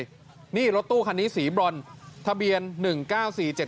นี่รถตู้คันนี้สีบรอนทะเบียนหนึ่งเก้าสี่เจ็ด